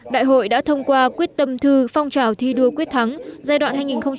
đại hội đã thông qua quyết tâm thư phong trào thi đua quyết thắng giai đoạn hai nghìn một mươi năm hai nghìn hai mươi